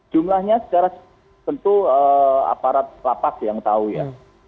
jumlahnya secara tentu aparat lapas yang tahu ya